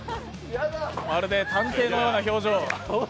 まるで探偵のような表情。